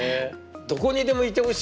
どこにでもいてほしいよね。